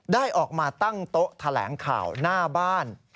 ได้ออกมาตั้งโต๊ะแถลงข่าวหน้าบ้าน